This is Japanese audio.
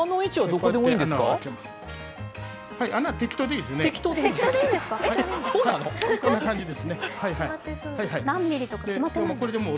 こんな感じです。